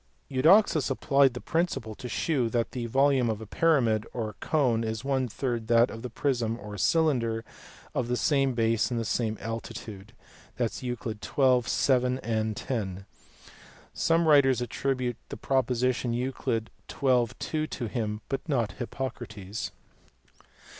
Eudoxus applied the principle to shew that the volume of a pyramid (or a cone) is one third that of the prism (or cylinder) on the same base and of the same altitude (Euc. xn. 7 and 10). Some writers attribute the proposition Euc. xn. 2 to him, and not to Hippocrates.